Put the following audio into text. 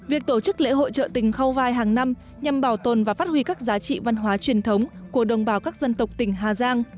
việc tổ chức lễ hội trợ tình khâu vai hàng năm nhằm bảo tồn và phát huy các giá trị văn hóa truyền thống của đồng bào các dân tộc tỉnh hà giang